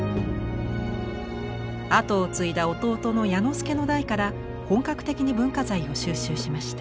跡を継いだ弟の彌之助の代から本格的に文化財を収集しました。